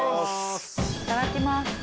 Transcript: いただきます。